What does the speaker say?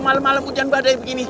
malam malam hujan badai begini